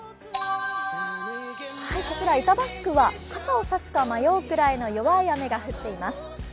こちら板橋区は傘を差すか迷うくらいの弱い雨が降っています。